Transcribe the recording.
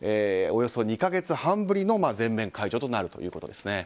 およそ２か月半ぶりの全面解除となるということです。